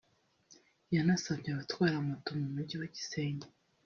yanasabye abatwara moto mu mujyi wa Gisenyi